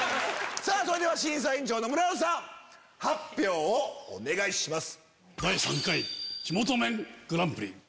それでは審査委員長の村野さん発表をお願いします。